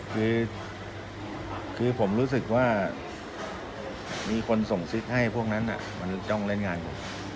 คือผมรู้สึกว่ามีคนส่งซิกให้พวกนั้นมันต้องเล่นงานผม